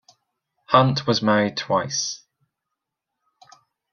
Hunt was married twice.